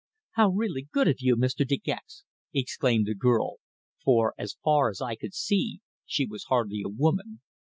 "How really good of you, Mr. De Gex!" exclaimed the girl for as far as I could see she was hardly a woman.